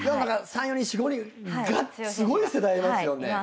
３４人４５人すごい世代いますよね。